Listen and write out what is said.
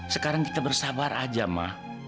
sekarang kita bersabar saja ma